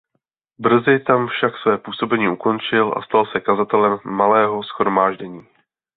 Brzy tam však své působení ukončil a stal se kazatelem malého shromáždění.